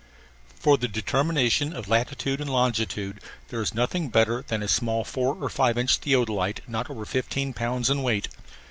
For the determination of latitude and longitude there is nothing better than a small four or five inch theodolite not over fifteen pounds in weight.